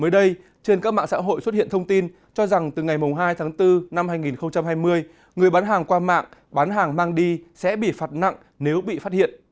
mới đây trên các mạng xã hội xuất hiện thông tin cho rằng từ ngày hai tháng bốn năm hai nghìn hai mươi người bán hàng qua mạng bán hàng mang đi sẽ bị phạt nặng nếu bị phát hiện